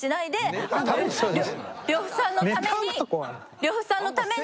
呂布さんのために。